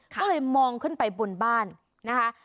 ก็เลยมองขึ้นไปบนบ้านนะคะ